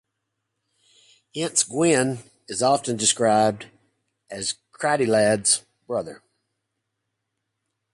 Hence, Gwyn is often described as Creiddylad's brother.